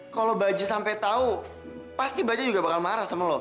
kalau bajie sampai tau pasti bajie juga bakal marah sama lo